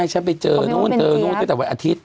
ฉันไปเจอนั่นนานไปเคยเจอวันอาทิตย์